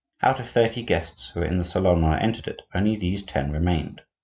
Out of thirty guests who were in the salon when I entered it, only these ten remained.